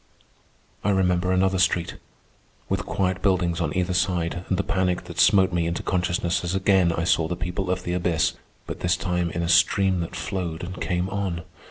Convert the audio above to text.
I remember another street, with quiet buildings on either side, and the panic that smote me into consciousness as again I saw the people of the abyss, but this time in a stream that flowed and came on.